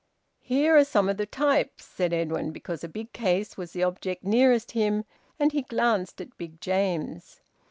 "Here are some of the types," said Edwin, because a big case was the object nearest him, and he glanced at Big James.